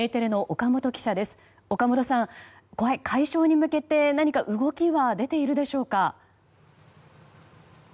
岡本さん、解消に向けて何か動きは出ているでしょうか。